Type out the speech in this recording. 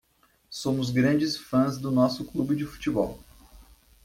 Somos grandes fãs do nosso clube de futebol.